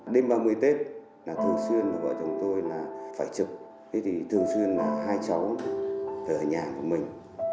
đêm ba mươi tết là thường xuyên vợ chồng tôi là phải trực thì thường xuyên là hai cháu ở nhà của mình